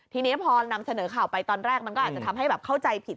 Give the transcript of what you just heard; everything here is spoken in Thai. ทีนี้พอนำเสนอข่าวไปตอนแรกมันก็อาจจะทำให้แบบเข้าใจผิด